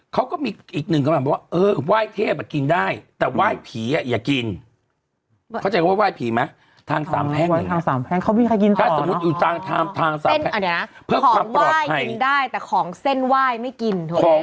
ของไว้กินได้แต่ของเส้นไหว้ไม่กิน